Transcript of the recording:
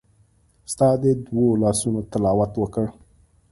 ستا د دوو لاسونو تلاوت وکړ